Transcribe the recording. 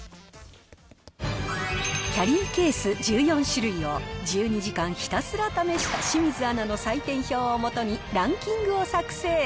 キャリーケース１４種類を、１２時間ひたすら試した清水アナの採点表をもとに、ランキングを作成。